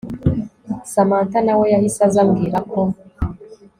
Samantha nawe yahise aza ambwira ko